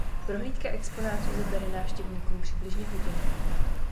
Prohlídka exponátů zabere návštěvníkům přibližně hodinu.